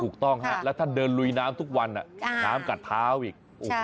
ถูกต้องฮะแล้วท่านเดินลุยน้ำทุกวันน้ำกัดเท้าอีก